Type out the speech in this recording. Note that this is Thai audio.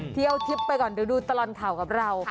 เที่ยวทริปไปก่อนดูตลอดข่าวกับเรา